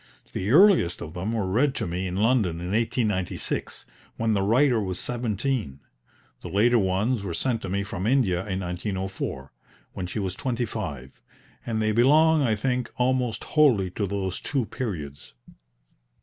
The earliest of them were read to me in London in 1896, when the writer was seventeen; the later ones were sent to me from India in 1904, when she was twenty five; and they belong, I think, almost wholly to those two periods.